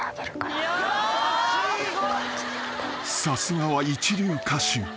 ［さすがは一流歌手］